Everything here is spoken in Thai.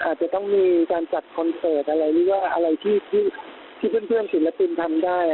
อาจจะต้องมีการจัดคอนเสิร์ตอะไรหรือว่าอะไรที่เพื่อนศิลปินทำได้